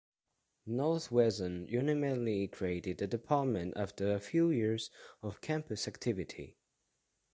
Northwestern ultimately created the department after a few years of campus activity.